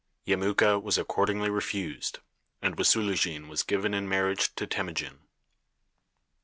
Yemuka was accordingly refused, and Wisulujine was given in marriage to Temujin.